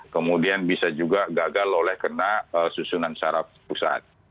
kemudian bisa juga gagal oleh kena susunan syaraf pusat